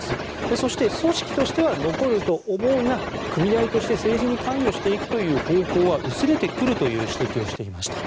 そして組織としては残ると思うが組合として政治に関与していくという方向は薄れてくるという指摘をしていました。